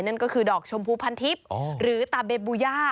นั่นก็คือดอกชมพูพันทิพย์หรือตาเบบูย่า